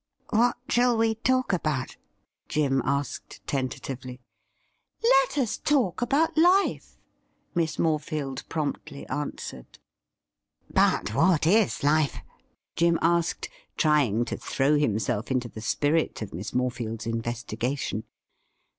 ' What shall we talk about .?' Jim asked tentatively. 'Let us talk about life,' Miss Morefield promptly answered. 62 THE RIDDLE RING ' But what is life ?' Jim asked, trying to throw himself into the spirit of Miss Morefield's investigation.